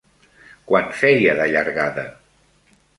Quan feia de llargada?